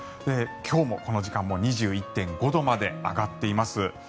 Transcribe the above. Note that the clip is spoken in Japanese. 今日もこの時間も２１．５度まで上がっています。